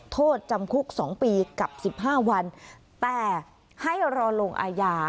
โทษจำคุกสองปีกับสิบห้าวันแต่ให้รอลงอายา